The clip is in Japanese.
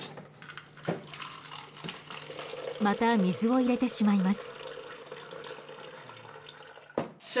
また水を入れてしまいます。